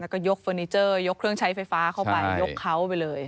แล้วก็ยกเวอร์นิเจอร์ยกเครื่องใช้ไฟฟ้าเข้าไปยกเขาไปเลย